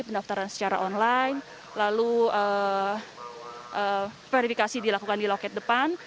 pendaftaran secara online lalu verifikasi dilakukan di loket depan